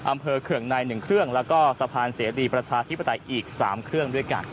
อำเภอเครื่องในหนึ่งเครื่องแล้วก็สะพานเสรีประชาธิปไตยอีกสามเครื่องด้วยกัน